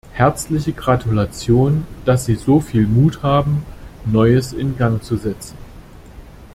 Herzliche Gratulation, dass Sie soviel Mut haben, Neues in Gang zu setzen!